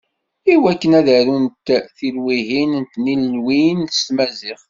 I wakken ad arunt tilwiḥin n tnilwin s tmaziɣt.